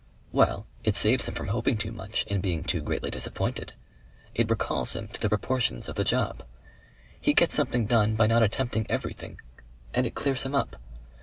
"Well, it saves him from hoping too much and being too greatly disappointed. It recalls him to the proportions of the job. He gets something done by not attempting everything. ... And it clears him up.